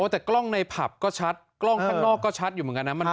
แต่กล้องในผับก็ชัดกล้องข้างนอกก็ชัดอยู่เหมือนกันนะ